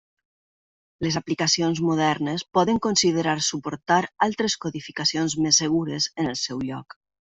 Les aplicacions modernes poden considerar suportar altres codificacions més segures en el seu lloc.